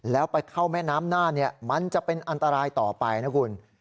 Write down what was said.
แล้วไปเข้าแม่น้ำน่านมันจะเป็นอันตรายต่อไปนะคุณ